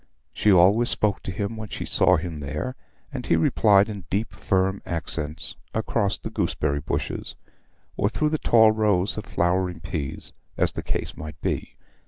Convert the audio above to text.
She always spoke to him when she saw him there, and he replied in deep, firm accents across the gooseberry bushes, or through the tall rows of flowering peas, as the case might be.